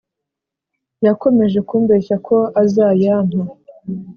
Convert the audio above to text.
Yakomeje kumbeshya ko azayampa